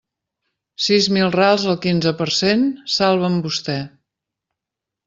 Sis mil rals al quinze per cent; salve'm vostè.